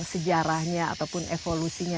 sejarahnya ataupun evolusinya